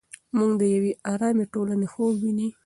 موږ د یوې ارامې ټولنې خوب ویني.